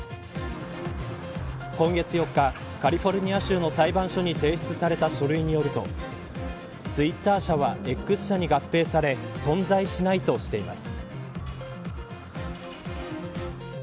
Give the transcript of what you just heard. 今月４日、カリフォルニア州の裁判所に提出された書類によるとツイッター社はＸ社に合併され存在しないとしています。